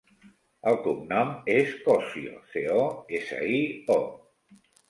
El cognom és Cosio: ce, o, essa, i, o.